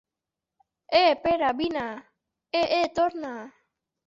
Eh, Pere, vine! Eh, eh, torna!